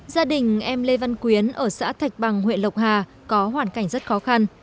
gia đình em lê văn quyến ở xã thạch bằng huyện lộc hà có hoàn cảnh rất khó khăn